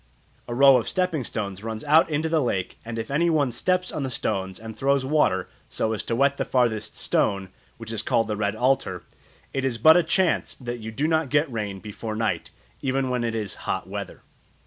A row of stepping stones runs out into the lake, and if any one steps on the stones and throws water so as to wet the farthest stone, which is called the Red Altar, "it is but a chance that you do not get rain before night, even when it is hot weather."